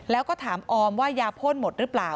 แล้วก็ถามออมว่ายาพ่นหมดหรือเปล่า